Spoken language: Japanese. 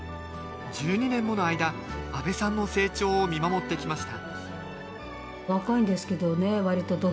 １２年もの間阿部さんの成長を見守ってきました